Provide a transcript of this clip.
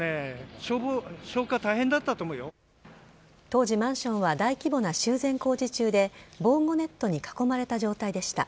当時、マンションは大規模な修繕工事中で防護ネットに囲まれた状態でした。